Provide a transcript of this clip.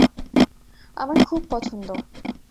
আমার খুব পছন্দ!